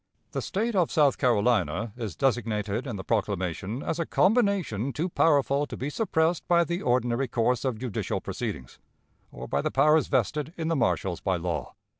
The State of South Carolina is designated in the proclamation as a combination too powerful to be suppressed by the ordinary course of judicial proceedings, or by the powers vested in the marshals by law.